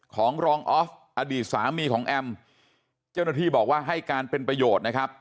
ของรองออฟอดีตสามีของแอมเจ้าหน้าที่บอกว่าให้การเป็นประโยชน์นะครับ